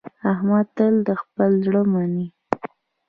احمد تل د خپل زړه مني.